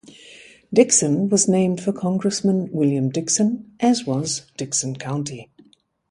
Dickson was named for Congressman William Dickson, as was Dickson County.